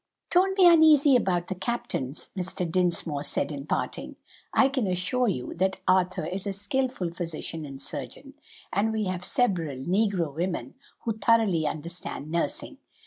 "Don't be uneasy about the captain," Mr. Dinsmore said in parting; "I can assure you that Arthur is a skilful physician and surgeon, and we have several negro women who thoroughly understand nursing.